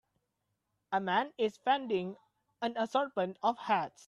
A man is vending an assortment of hats.